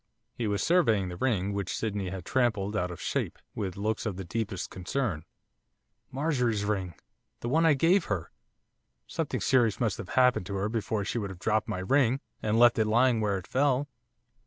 He was surveying the ring, which Sydney had trampled out of shape, with looks of the deepest concern. 'Marjorie's ring! The one I gave her! Something serious must have happened to her before she would have dropped my ring, and left it lying where it fell.